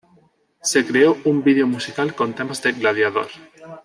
Se creó un video musical con temas de Gladiador.